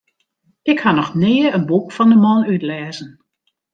Ik ha noch nea in boek fan de man útlêzen.